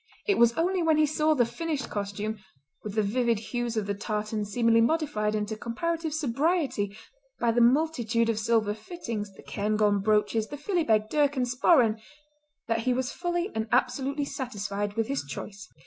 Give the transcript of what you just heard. It was only when he saw the finished costume, with the vivid hues of the tartan seemingly modified into comparative sobriety by the multitude of silver fittings, the cairngorm brooches, the philibeg, dirk and sporran that he was fully and absolutely satisfied with his choice.